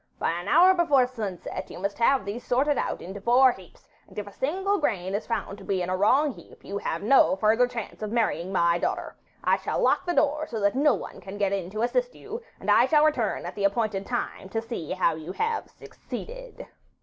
By an hour before sunset you must have these sorted out into four heaps, and if a single grain is found to be in a wrong heap you have no further chance of marrying my daughter. I shall lock the door, so that no one can get in to assist you, and I shall return at the appointed time to see how you have succeeded.